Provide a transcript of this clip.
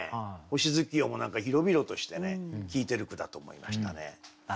「星月夜」も何か広々としてね効いてる句だと思いましたね。